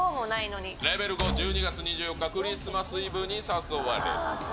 レベル５、１２月２４日、クリスマスイブに誘われる。